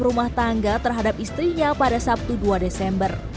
rumah tangga terhadap istrinya pada sabtu dua desember